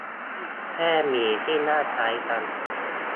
แค่หมีที่หน้าคล้ายกัน